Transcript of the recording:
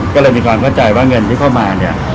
ก็เลยมีความเข้าใจว่าเงินที่เข้ามาเนี่ย